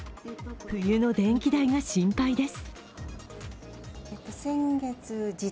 冬の電気代が心配です。